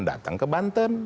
datang ke banten